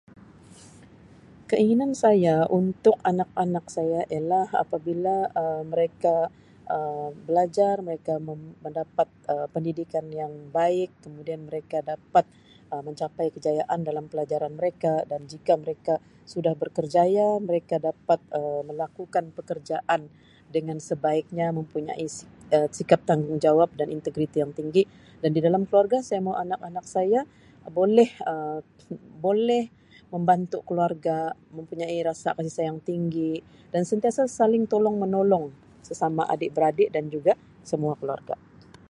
Keinginan saya untuk anak-anak saya ialah apabila Um mereka Um belajar mereka me-mendapat Um pendidikan yang baik kemudian mereka dapat Um mencapai kejayaan dalam pelajaran mereka dan jika mereka sudah berkerjaya mereka dapat Um melakukan pekerjaan dengan sebaiknya mempunyai si-sikap tanggungjawab dan integriti yang tinggi dan di dalam keluarga saya mau anak-anak saya boleh Um boleh membantu keluarga mempunyai rasa kasih sayang tinggi dan sentiasa saling tolong menolong sesama adik-beradik dan juga semua keluarga.